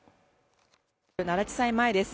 奈良地裁前です